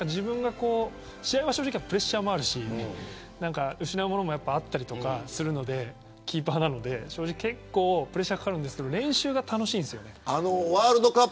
試合は正直プレッシャーもあるし失うものもあったりとかするのでキーパーなので正直プレッシャーがかかるんですが練習が楽しいんですよね。